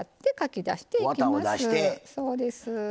そうです。